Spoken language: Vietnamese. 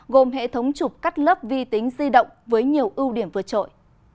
gồm hệ thống chụp cắt lớp vi tính di động với nhiều ưu điểm vượt trội